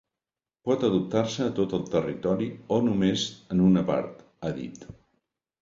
Pot adoptar-se a tot el territori o només en una part, ha dit.